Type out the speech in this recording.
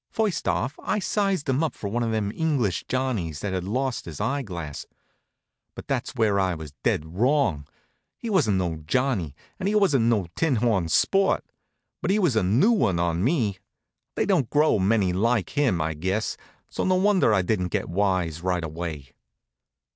First off I sized him up for one of them English Johnnies that had lost his eyeglass. But that's where I was dead wrong. He wasn't no Johnnie, and he wasn't no tinhorn sport. But he was a new one on me. They don't grow many like him, I guess, so no wonder I didn't get wise right away.